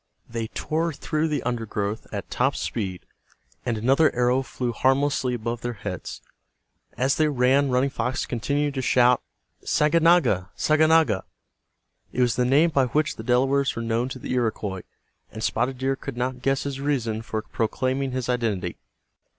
They tore through the undergrowth at top speed and another arrow flew harmlessly above their heads. As they ran Running Fox continued to shout, "Saganaga! Saganaga!" It was the name by which the Delawares were known to the Iroquois, and Spotted Deer could not guess his reason for proclaiming his identity.